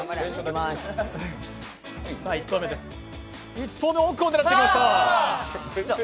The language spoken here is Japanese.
１投目、奥を狙ってきました。